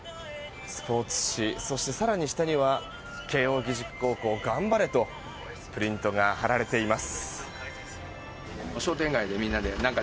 スポーツ紙、そして更に下には慶応義塾高校頑張れとプリントが貼られています。